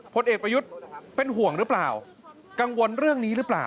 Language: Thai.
ผลเอกประยุทธ์เป็นห่วงหรือเปล่ากังวลเรื่องนี้หรือเปล่า